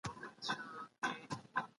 موږ حساب له يوه څخه شروع کوو.